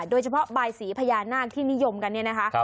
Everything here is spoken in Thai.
โดยเฉพาะบายสีพญานาคที่นิยมกันเนี่ยนะคะ